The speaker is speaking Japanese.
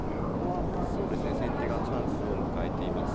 ここは先手がチャンスを迎えています。